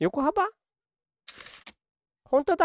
ほんとだ！